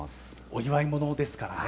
お祝いものですからね。